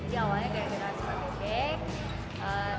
jadi awalnya kita berasal dari bebek